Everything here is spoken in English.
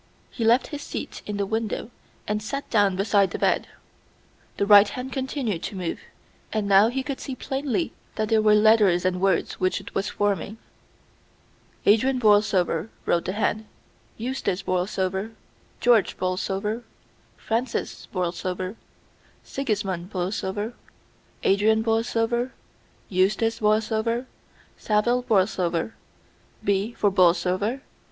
He left his seat in the window and sat down beside the bed. The right hand continued to move, and now he could see plainly that they were letters and words which it was forming. "Adrian Borlsover," wrote the hand, "Eustace Borlsover, George Borlsover, Francis Borlsover Sigismund Borlsover, Adrian Borlsover, Eustace Borlsover, Saville Borlsover. B, for Borlsover.